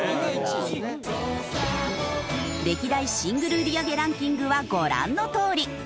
歴代シングル売り上げランキングはご覧のとおり。